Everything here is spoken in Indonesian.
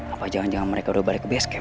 apa jangan jangan mereka udah balik ke base camp